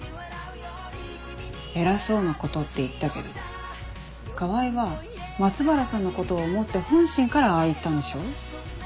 偉そうなことって言ったけど川合は松原さんのことを思って本心からああ言ったんでしょ？